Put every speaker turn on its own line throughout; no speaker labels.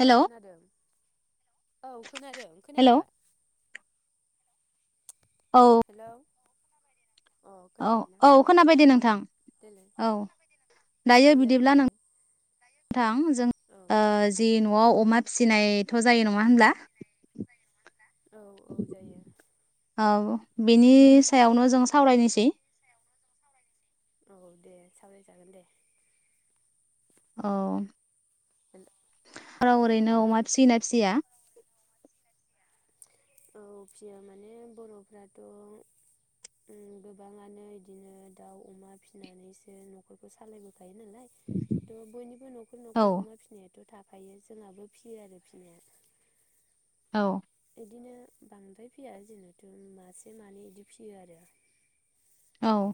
औ खोनादों औ खोनादों खोनायाखै?
औ
हेलौ अ
औ
खोनाबायना
औ खोनाबायदि नोंथां
देलाय
औ
अ
दायो
देलाय
बिदिब्ला नों [inaudible]
बुंलाय
नथां जों
औ
जि न' [inaudible] आव अ अमा फिसिनायथ' जायो नङा होनब्ला
औ औ जायो।
बिनि सायावनो जों सावरायनोसै
औ दे सावराय जागोन दे
औ राव ओरैनो अमा फिसियोना फिसिया
औ फियो माने बर'फ्राथ' उम गोबाङानो बिदिनो दाउ अमा फिनानैसो न'खरखौ सालायबोखायो नालाय थ' बयनिबो न'खर न'ख
औ
न'खर अमा फिसिनायाथ' थाखा थफायो जोंहाबो फिसियो आरो फिसिनाया
औ
बिदिनो बांद्राय फिया जेनथ' मासे मानै बिदि फियो आरो
औ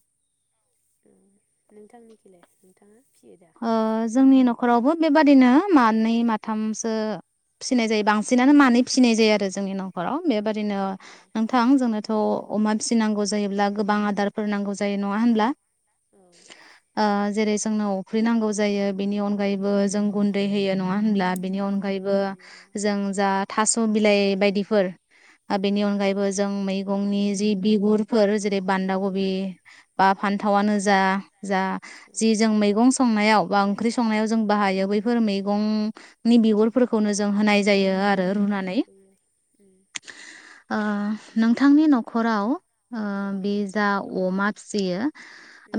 नोंथांनिखिले नोंथाङा? फियो दा
ओ जोंनि न'खर न'खरावबो बेबादिनो मानै माथामसो फिसिनाय जायो बांसिनानो मानै फिसिनाय जायो आरो जोंनि न'खराव बे बेबादिनो नोंथां जोंनो थ' अमा फिसिनांगौ जायोब्ला गोबां आदारफोर नांगौ जायो नङा होनब्ला
औ
आ जेरै जोंनाव फुख्रिनांगौ जायो बेनि अनगायैबो जों गुन्दै होयो न नङा होनब्ला बेनि
औ
अनगायैबो जों जा थास' बिलाइ बायदिफोर आरो
उम
बेनि अनगायैबो जों मैगंनि जि बिगुरफोर बान्दा कबि बा फान्थावानो जा जा जि जों मैगं सनायाव बा ओंख्रि संनायाव जों बाहायो बै मैगंनि बिगुरफोरखौनो जों होनाय जायो आरो रुनानै
उम
अ नोंथांनि न'खराव आ बे जा अमा फिसियो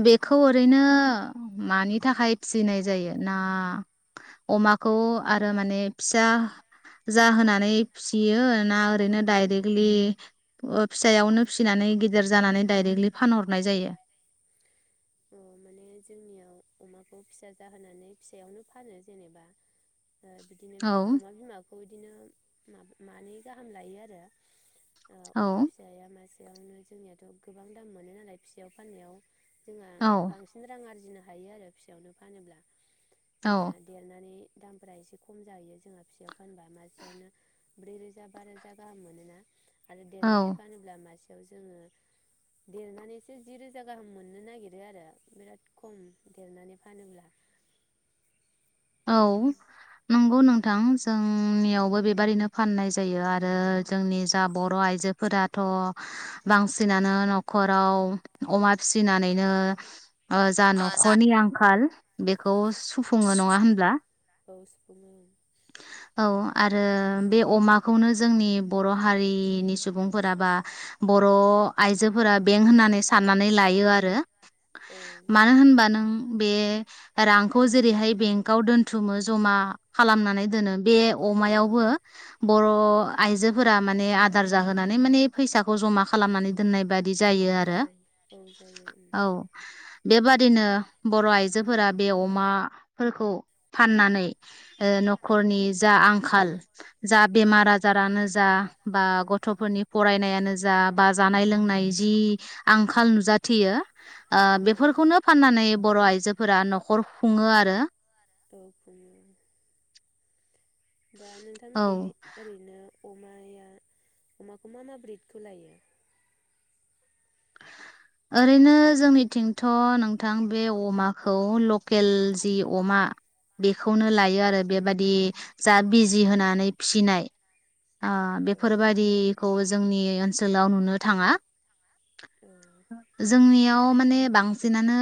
बेखौ ओरैनो अ मानि थाखाय फिसिनाय जायो ना अमाखौ आरो माने फिसा जाहोनानै फिसियो ना ओरैनो दाइरेकलि ओ फिसायावनो फिसिनानै गिदिर जानानै दाइरेकलि फानहरो?
अ माने जोंनियाव अमाखौ फिसा जाहोनानै फिसायावनो फानो जेनेबा अ बिदिनो
औ
अमा बिमा खौ बिदिनो मा मानै गाहाम लायो आरो। अ
औ
अमा फिसाया मास बेयावनो जोंनियाथ गोबां दाम मोनो नालाय। फिसायाव फाननायाव। जोंहा
औ
बांसिन रां आरजिनो हायो आरो फिसायावनो फानोब्ला।
औ
जोंनिया देरनानै दामफोरा एसे खम जाहैयो जोंहा फिसायाव। एखनबा मासेयावनो ब्रै रोजा बा रोजा गाहाम मोनोना। आरो
औ
देरनानै फानोब्ला मासे जोेङो देरनानै जि रोजा गाहाम मोननो नागिरो आरो बिराद खम देरनानै फानोब्ला।
औ
उम
नंगौ
उम
नोंथां जों उम नियावबो बेबायदिनो फाननाय जायो। आरो जोंनि जा बर' आइजो फोराथ बांसिनानो न'खराव अमा फिसिनानैनो अ जा न'खरनि
औ
आंखाल बेखौ सो फोङो नङा होन
औ सोफोङो।
औ आरो बे अमाखौनो जोंनि बर' हारिनि सुबुंफोरा बा बर' आइजोफोरा बें होननानै साननानै लायो आरो।
औ
मानो होनबा नों बे रांखौ जेरैहाय बेंकाव दोनथुमो जमा खालामनानै नै दोनो बे अमायावबो बर' आइजोफोरा माने आदार जाहोनानै माने फैसा खौ जमा खालामनानै दोननाय बादि जायो आरो
औ जायो उम
औ बेबादिनो बर' आइजोफोरा बे अमाफोरखौ फाननानै ओ न फोरनि जा आंखाल जा बेमार आजारानो जा बा गथ'फोरनि फरायनायानो जा बा जानाय लोंनाय जि आंखाल नुजाथियो ओ
औ
बेफोरखौनो फाननानै बर' आइजोफोरा न'खर खुङो आरो
[unintelligible] दा
औ
नोंथांमोखै ओरैनो अमाया अमाखौ मा मा ब्रिदखौ लायो?
ओरैनो जोंनिथिंथ' नोंथां बे अमाखौ ल केल जि अमा खौनो लायो आरो बेबादि जा बिजि होनानै फिसिनाय आ
औ
बेफोरबादि खौ जोंनि ओनसोलाव नुनो थाङा
औ
जोंनियाव माने बांसिनानो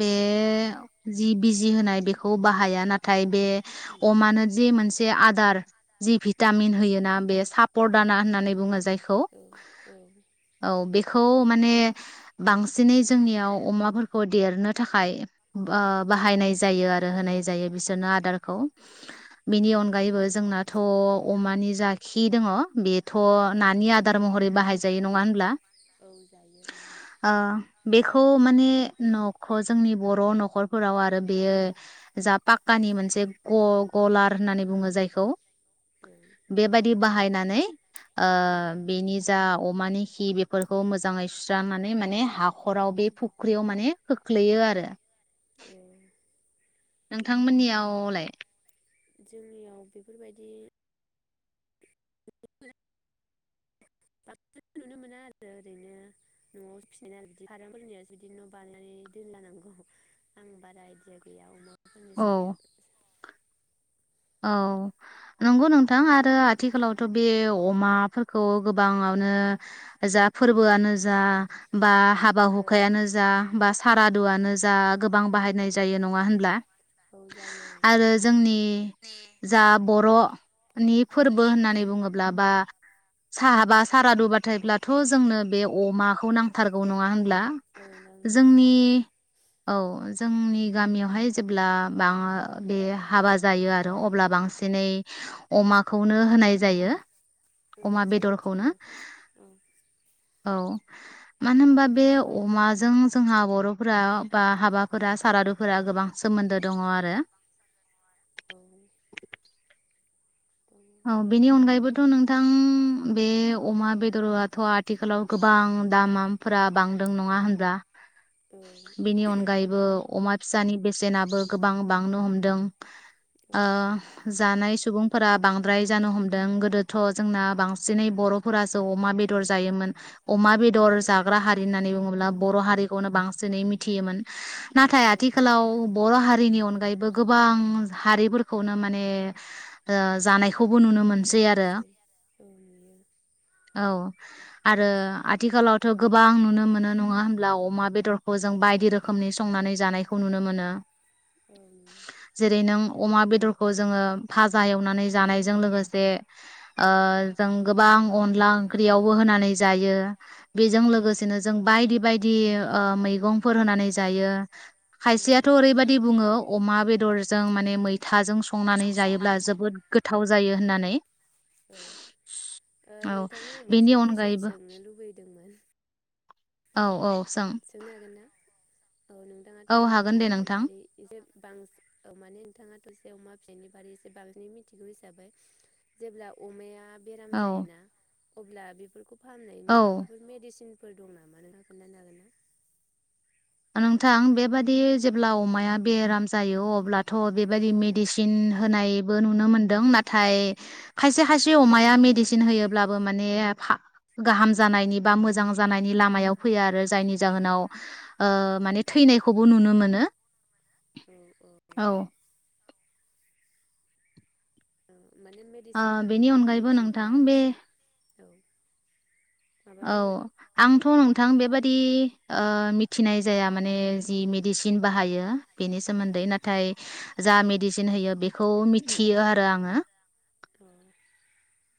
बे जि बिजि होनाय बेखौ बाहाया ना थाय बे
उम
अमानो जि मोनसे आदार जि भिटामिन होयोना बेस सापर दाना होननानै बुङो जायखौ
औ
औ बे खौ माने बांसिनै जोंनियाव अमाफोरखौ देरनो थाखाय ब ओ बाहायनाय जायो आरो होनाय जायो बिस जोनो आदारखौ
औ
बिनि अनगायैबो जोंनाथ' अमानि जाखि दङ बे थ' नानि आदार महरै बाहायजायो नङा होनब्ला
जायो औ
ओ बेखौ माने न'ख जोंनि बर' न'खरफोराव आरो बेयो जा पा कानि मोनसे ग-गलार होननानै बुङो जायखौ
औ
बेबायदि बाहायना नै ओ
उम
बेनि जा मानि खि बेफोर खौ मोजाङै सुस्रांनानै माने हा हराव बे फुख्रियाव माने खोख्लैयो आरो
[inaudible]
नोंथांमोननियावलाय
जोंनियाव बेफोरबायदि [unintelligible] बाथ नुनो मोना आरो ओरैनो नआव फिनाय बिदि खारामफोरनि बिदि न बानायनानै दोनलानांगौ आं बारा आइदिया गैया अमा
औ
[unintelligible]
औ नंगौ नोंथां आरो आथिखालावथ बे अमाफोरखौ गोबाङावनो जा फोरबोआनो जा बा हाबा हुखायानो जा बा सारादुआनो जा गोबां बाहायनाय जायो नङा होनब्ला
सौ जायो
आरो जोंनि जा बर' नि फोरबो
माने
होननानै बुङोब्ला बा साहाबा सारादुबाथायब्लाथ' जोंनो बे अमाखौ नां थारगौ नङा होनब्ला
नांगौ
जोंनि औ जोंनि गामियावहाय जेब्ला बे हाबा जायो आरो अब्ला बांसिनै अमा खौनो होनाय जायो
औ
अमा बेदरखौनो
जोंनिथिंबो औ
औ मानो होनबा बे अमाजों जोंहा बर'फोरा बा हाबाफोरा सारादुफोरा गोबां सोमोन्दो दङ आरो
औ
औ बेनि अनगायैबोथ' नोंथां बे अमा बेदरआथ' आथिखालाव गोबां दामफोरा बांदों नङा होनब्रा
औ
बेनि अनगायैबो अमा फिसानि बेसेनाबो गोबां बांनो हमदों ओ जानायै सुबुंफोरा बांद बांद्राय जानो हमदों गोदोथ' जोंना बांसिनै बर'फोरासो अमा बेदर जायोमोन अमा बेदर
औ
जाग्रा हारि होननानै बुङोब्ला बर' हारिखौनो बांसिनै मिथियोमोन नाथाय
औ
आथिखालाव बर' हारिनि अनगायैबो बो गोबां हारिफोरखौनो माने जानायखौ खौबो नुनो मोनसै आरो
औ नुयो
औ आरो आथिखालावथ' गोबां नुनो मोनो नङा होमब्ला अमा बेदर खौ जों बायदि रोखोमनि संनानै जानायखौ नुनो मोनो जेरै नों
[unintelligible]
अमा बेदरखौ जोङो फाजा एवनानै जानाय जों गोबां अनला ओंख्रियावबो होनानै जायो बेजों लोगोसेनो जों बायदि बायदि बिदि ओ मैगंफोर होनानै जायो
औ
खायसेयाथ' ओरैबायदि बुङो अमा बेदरजों माने मैथाजों संनानै
नाजों
जायोब्ला
संनानै
जोबोद गोथ थाव जायो होननानै
औ ओ
औ
नोंथांनाव आं मोनसे
बेनि
कुइसन
अनगायैबो
सोंनो लुबैदोंमोन
औ औ सों
सोंनो हागोन ना औ नोंथाङाथ'
औ
अमा
हागोन दे
[unintelligible]
नोंथां
बारै एसे बांऔ माने नोंथाङाथ जसे अमा बेनि बारै एसे बांसिनै मिथिगौ हिसाबै जेब्ला अमाया बेराम
औ
जायोना अब्ला बेफोरखौ फाहामनायनि
औ
माबाफोर मेदिसिन फोर दं नामा नोंहा खिन्थानो हागोन ना
नोंथां बेबादि जेब्ला अमाया बेराम जायो अब्ला
औ
थ'बेबायदि मेदिसिन सिन होनायबो नुनो मोनदों नाथाय खायसे खायसे अमाया मेडिसिन होयोब्लाबो माने फा-गाहाम जानायनि बा मोजां जानायनि लामायाव फैया आरो जायनि जाहोनाव ओ माने थैनायखौबो नुनो मोनो औ
औ माने मेडिसिनफोरनि
बेनि
मुंखौ
अनगायैबो नोंथां
मिथियोब्ला
बे
एसे औ माबा
औ
बुंनो
आंथ' नोंथां बेबादि ओ मिथिनाय जाया माने जि मेडिसिन बाहायो बेनि
औ
सोमोन्दै नाथाय जा मेडिसिन होयो बेखौ मिथियो आरो आङो
अ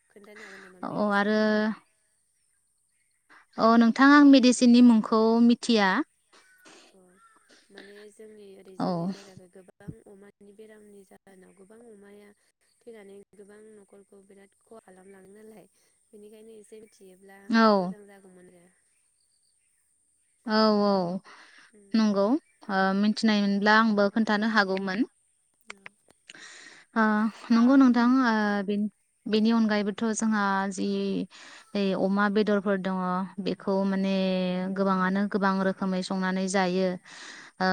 खोन्थानो हागोन नामा
औ
मेडिसिनखौ
अ' नोंथां आं मेडिसिननि मुंखौ मिथिया
अ माने जोंनि ओरै
औ
जोंनि जायगाखै गोबां अमानि बेरामनि जाहोनाव गोबां अमाया थैनानै गोबां नखरखौ बिराद खहा खालामलाङो नालाय बेनिखायनो एसे मिथियोब्ला
औ
मोजां जागौमोन आरो
औ औ
उम
नंगौ ओ मिथिनायमोनब्ला आंबो खोन्थानो हागौमोन ओ नंगौ नोंथां ओ बेनि अनगायैबो थ' जोंहा जि ओइ अमा बेदरफोर दङ बेखौ
औ
माने गोबाङानो गोबां रोखोमै संनानै जायो आ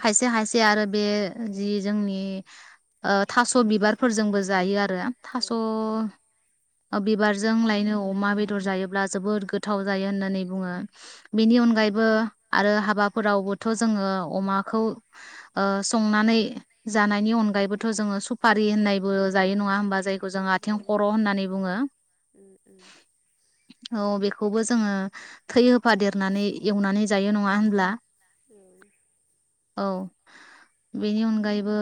खायसे खायसे आरो बे जि जोंनि ओ थास' बिबारफोरजोंबो जायो आरो थास बिबारजों लायनो अमा जायोब्ला जोबोद गोथाव जायो होननानै बुङो बेनि अनगायैबो आरो हाबा फोरावबोथ' जोङो अमाखौ ओ संनानै जानायनि अनगायैबोथ' जोङो सुपारि होननायबो जायो नङा होमबा जायखौ जों आथिं खर' होननानै बुङो
उम उम उम
औ बे खौबो जोङो थै होफादेर नानै एवनानै जायो नङा होनब्ला
[inaudible]
औ बेनि अनगायैबो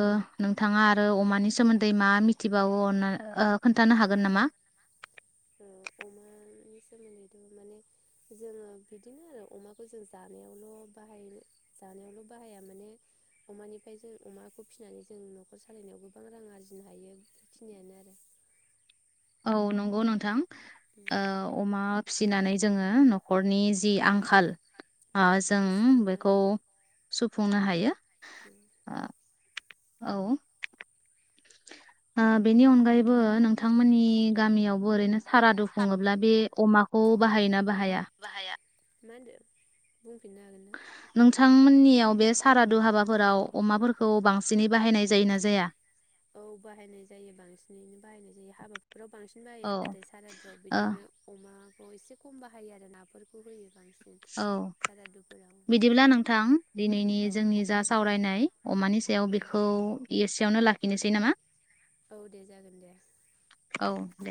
नोंथाङा आरो अमानि सोमोन्दै मा मिथिबावोना खोन्थानो हागोन नामा
अमानि सोमोन्दैथ' माने जोङो बिदिनो आरो अमाखौ जों जानायावल' बाहाय जानायावल' बाहाया माने अमानिफ्राय जों अमाखौ फिसिनानै जों न'खर सालायनायाव गोबां रां आरजिनो हायो बेफोरखिनियानो आरो
औ नंगौ नोंथां
उम
आ अमा फिसिनानै जोङो न'खरनि जि आंखाल ओ
औ
जों बेखौ सुफुंनो हायो औ ओ बेनि अनगायैबो नोंथांमोननि गामियाव ओरैनो सारादु खुङोब्ला बे अमाखौ औ बाहायना बाहाया
बाहाया मा होनदो बुंफिनना
नोंथांमोननियाव बे सारादु हाबाफोराव अमाफोरखौ बांसिनै बाहायनाय जायो ना जाया
औ बाहायनाय जायो बांसिनैनो बाहायनाय जायो हाबाफोराव बांसिन बाहायो
औ
नाथाय सारादुआव
ओ
बिदिनो अमा औ एसे खम बाहायो आरो नाफोरखौ होयो बांसिन
औ
सारादुफोराव
बिदिब्ला नोंथां दिनैनि
औ
जोंनि जा सावरायनाय अमानि सायाव
औ
बेखौ एसेयावनो लाखि किनोसै नामा
औ दे जागोन दे
औ दे